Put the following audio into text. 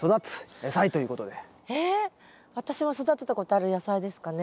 私も育てたことある野菜ですかね？